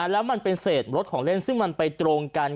แล้วมันเป็นเศษรถของเล่นซึ่งมันไปตรงกัน